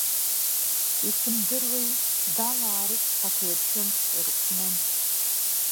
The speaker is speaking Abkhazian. Исымдыруеи, Далаа рыцҳақәа иршәым, ирыҟәным.